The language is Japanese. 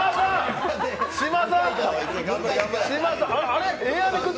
あれ？